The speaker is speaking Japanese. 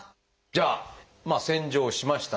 じゃあ洗浄しましたと。